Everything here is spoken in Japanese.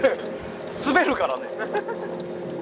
滑るからね。